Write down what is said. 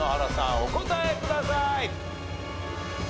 お答えください。